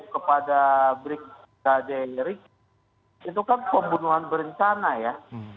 kepada brigade riki itu kan pembunuhan berencana ya